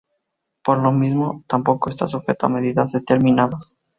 Por lo mismo, tampoco está sujeto a medidas determinadas.